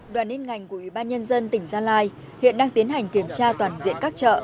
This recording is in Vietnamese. đoàn liên ngành của ủy ban nhân dân tỉnh gia lai hiện đang tiến hành kiểm tra toàn diện các chợ